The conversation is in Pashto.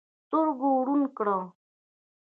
سترګو ړوند کړ.